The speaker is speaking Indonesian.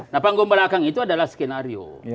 nah panggung belakang itu adalah skenario